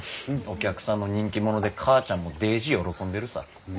お客さんの人気者で母ちゃんもデージ喜んでるさ。